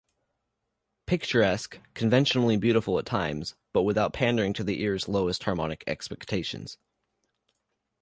Picturesque, conventionally beautiful at times, but without pandering to the ears' lowest harmonic expectations.